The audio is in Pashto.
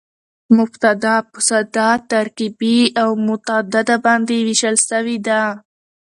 مبتداء په ساده، ترکیبي او متعدده باندي وېشل سوې ده.